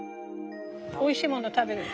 おいしいもの食べる。